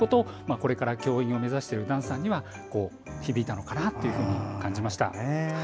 これから教員を目指している段さんには響いたのかなと感じました。